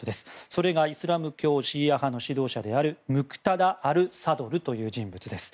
それがイスラム教シーア派の指導者であるムクタダ・アル・サドルという人物です。